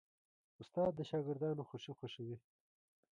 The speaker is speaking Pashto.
استاد د شاګردانو خوښي خوښوي.